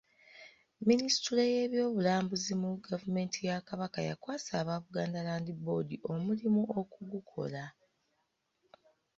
Minisitule y’ebyobulambuzi mu gavumenti ya Kabaka yakwasa aba Buganda Land Board omulimu okugukola.